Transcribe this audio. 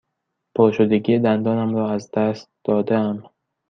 پرشدگی دندانم را از دست داده ام.